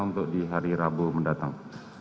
untuk di hari rabu mendatang